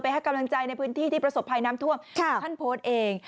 ให้กำลังใจในพื้นที่ที่ประสบภัยน้ำท่วมท่านโพสต์เอง